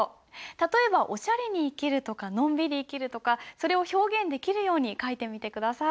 例えばおしゃれに生きるとかのんびり生きるとかそれを表現できるように書いてみて下さい。